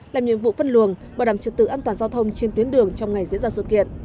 làm nhiệm vụ phân luồng bảo đảm trật tự an toàn giao thông trên tuyến đường trong ngày diễn ra sự kiện